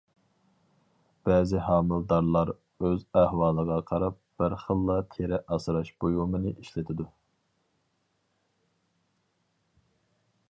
بەزى ھامىلىدارلار ئۆز ئەھۋالىغا قاراپ بىر خىللا تېرە ئاسراش بۇيۇمىنى ئىشلىتىدۇ.